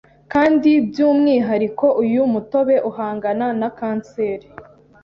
kandi by’umwihariko uyu mutobe uhangana na kanseri